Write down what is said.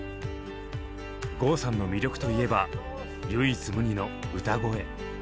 郷さんの魅力といえば「唯一無二の歌声」。